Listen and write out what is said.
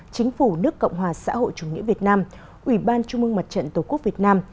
chính phủ nước cộng hòa xã hội chủ nghĩa việt nam ủy ban trung mương mặt trận tổ quốc việt nam